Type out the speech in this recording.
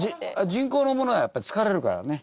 人工のものはやっぱり疲れるからね。